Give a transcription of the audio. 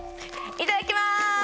いただきます。